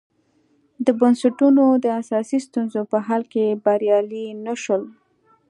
د بنسټونو د اساسي ستونزو په حل کې بریالي نه شول.